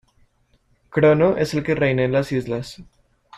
Crono es el que reina en las islas.